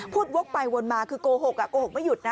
วกไปวนมาคือโกหกโกหกไม่หยุดนะ